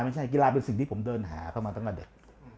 ไม่ใช่กีฬาเป็นสิ่งที่ผมเดินหาเข้ามาตั้งกว่าเด็ก